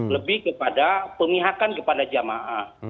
lebih kepada pemihakan kepada jamaah